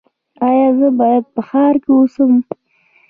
ایا زه باید په ښار کې اوسم؟